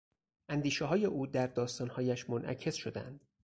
اندیشههای او در داستانهایش منعکس شدهاند.